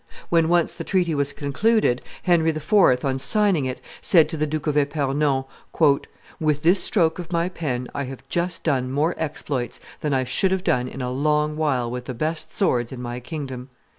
When once the treaty was concluded, Henry IV., on signing it, said to the Duke of Epernon, "With this stroke of my pen I have just done more exploits than I should have done in a long while with the best swords in my kingdom."